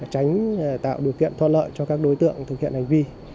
tránh tạo điều kiện thoát lợi cho các đối tượng thực hiện hành vi